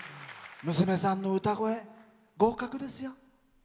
娘さんの歌声、合格ですよ。